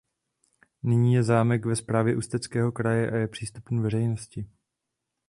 Nyní je zámek ve správě Ústeckého kraje a je přístupný veřejnosti.